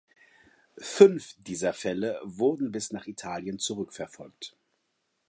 Fünf dieser Fälle wurden bis nach Italien zurückverfolgt.